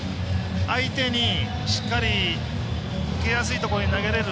相手にしっかり受けやすいところに投げれる。